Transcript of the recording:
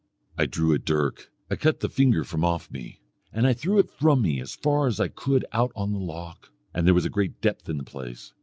I drew a dirk. I cut the finger from off me, and I threw it from me as far as I could out on the loch, and there was a great depth in the place.